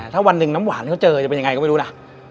ถ้าวันหนึ่งน้ำหวานเขาเจอจะเป็นยังไงก็ไม่รู้ล่ะ